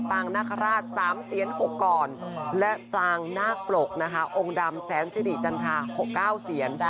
เทศตรางนากราช๓เซียน๖กรอนและตรางนากปลกนะคะองค์ดำแสนสิริจันทรา๖๙เซียน